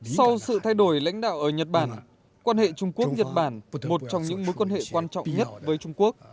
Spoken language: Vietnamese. sau sự thay đổi lãnh đạo ở nhật bản quan hệ trung quốc nhật bản một trong những mối quan hệ quan trọng nhất với trung quốc